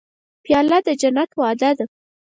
پیاله د جنت وعده ده.